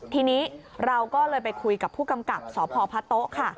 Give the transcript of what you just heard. ทีนี้เราก็เลยไปคุยกับผู้กำกับสพพะโต๊ะค่ะ